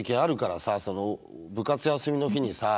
部活休みの日にさ